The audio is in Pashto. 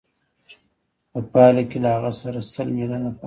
په پایله کې له هغه سره سل میلیونه پاتېږي